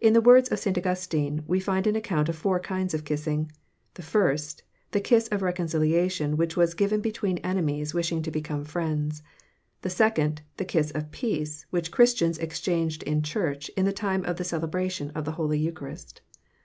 In the works of St. Augustine we find an account of four kinds of kissing; the first, the kiss of reconciliation which was given between enemies wishing to become friends; the second, the kiss of peace which Christians exchanged in church in the time of the celebration of the holy eucharist.